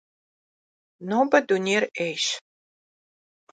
Nobe dunêyr 'êyş.